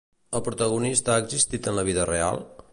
El protagonista ha existit en la vida real?